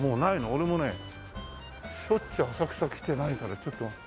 俺もねしょっちゅう浅草来てないからちょっと。